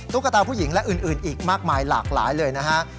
ตุ๊กตาผู้หญิงและอื่นอีกมากมายหลากหลายเลยนะฮะ